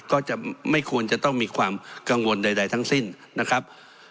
ก็จะไม่ควรจะต้องมีความกังวลใดทั้งสิ้นนะครับ